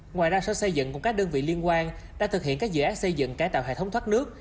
ngoài ra sở xây dựng cùng các đơn vị liên quan đã thực hiện các dự án xây dựng cải tạo hệ thống thoát nước